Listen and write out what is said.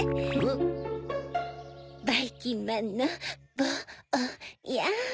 ばいきんまんのぼうや。